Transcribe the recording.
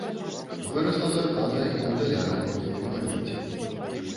Вырасла зарплата і ў даляравым эквіваленце.